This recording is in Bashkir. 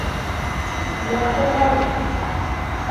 Яҡтырғайны.